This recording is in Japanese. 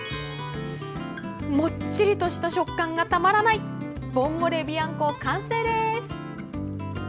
もっちりとした食感がたまらないボンゴレビアンコ、完成です。